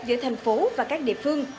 giữa thành phố và các địa phương